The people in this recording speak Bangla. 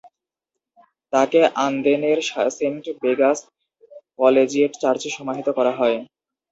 তাকে আন্দেনের সেন্ট বেগা'স কলেজিয়েট চার্চে সমাহিত করা হয়।